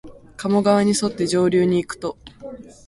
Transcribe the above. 加茂川にそって上流にいくと、